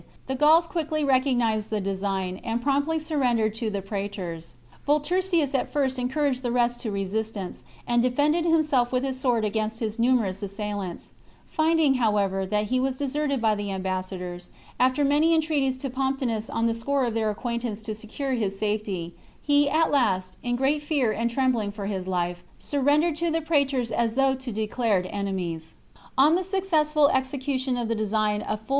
The Gauls quickly recognised the design, and promptly surrendered to the praetors. Volturcius at first en couraged the rest to resistance, and defended himself with his sword against his numerous assailants ; find ing, however, that he was deserted by the ambassa dors, after many entreaties to Pomptinus on the score of their acquaintance to secure his safety, he at last, in great fear and trembling for his life, surrendered to the praetors as though to declared enemies. CHAP. On the successful execution of the desie^n a full XLVI.